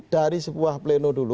dari sebuah plenum